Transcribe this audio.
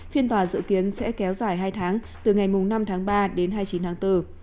phiên tòa dự kiến sẽ kéo dài hai tháng từ ngày năm tháng ba đến hai mươi chín tháng bốn